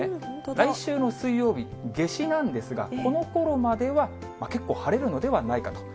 来週の水曜日、夏至なんですが、このころまでは結構晴れるのではないかと。